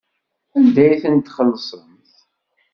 Anda ay ten-txellṣemt?